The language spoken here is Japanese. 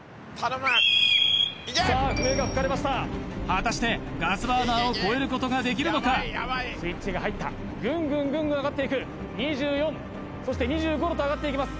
果たしてガスバーナーを超えることができるのかスイッチが入ったぐんぐんぐんぐん上がっていく２４そして２５℃と上がっていきます